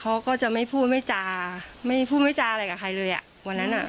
เขาก็จะไม่พูดไม่จาไม่พูดไม่จาอะไรกับใครเลยอ่ะวันนั้นอ่ะ